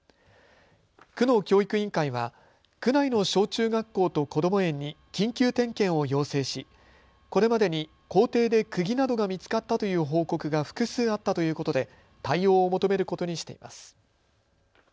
区の教育委員会は区内の小中学校とこども園に緊急点検を要請し、これまでに校庭でくぎなどが見つかったという報告が複数あったということで対応を求めることにしています。